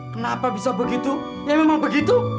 kenapa bisa begitu ya memang begitu